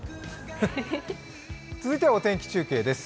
続いて、お天気中継です。